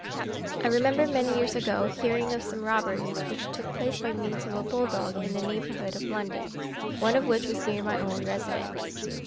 I remember many years ago hearing of some robberies, which took place by means of a bull dog in the neighbourhood of London, one of which was near my own residence.